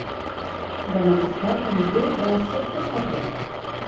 Demà passat en Bru va a Sot de Ferrer.